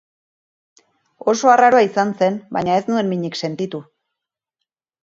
Oso arraroa izan zen, baina ez nuen minik sentitu.